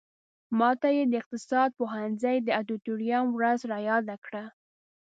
ماته یې د اقتصاد پوهنځي د ادیتوریم ورځ را یاده کړه.